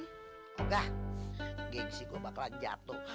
nggak geng sih gue bakalan jatuh